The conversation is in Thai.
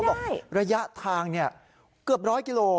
แล้วเขาบอกระยะทางเกือบร้อยกิโล